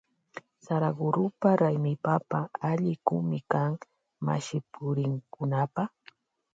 Saragurupa raymipampa allikumi kan mashipurikkunapa.